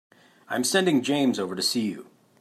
I'm sending James over to see you.